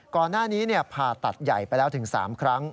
ก่อนหน้านี้ผ่าตัดใหญ่ไปแล้วถึง๓ครั้ง